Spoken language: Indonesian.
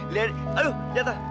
liat aduh nyata